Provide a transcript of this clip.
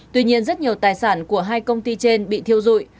tuy nhiên rất nhiều tài sản của hai công ty trên bị thiêu dụi